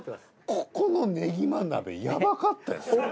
ここのねぎま鍋ヤバかったよ。